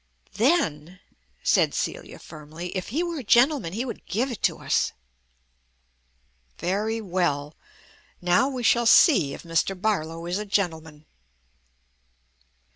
"Then," said Celia firmly, "if he were a gentleman he would give it to us." Very well. Now we shall see if Mr. Barlow is a gentleman.